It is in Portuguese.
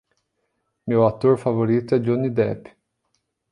Meu ator favorito é Johnny Depp.